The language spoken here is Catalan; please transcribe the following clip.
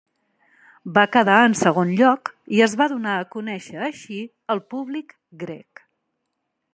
Va quedar en segon lloc i es va donar a conèixer així al públic grec.